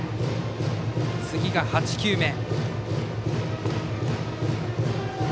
次が８球目。